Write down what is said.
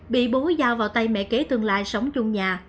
bị bố dao vào tay mẹ kế tương lai sống chung nhà